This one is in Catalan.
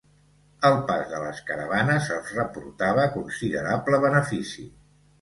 El pas de les caravanes els reportava considerable benefici.